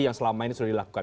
yang selama ini sudah dilakukan